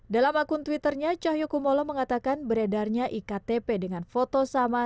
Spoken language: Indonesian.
dalam akun twitternya cahyokumolo mengatakan beredarnya iktp dengan foto sama